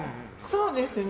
そうですね。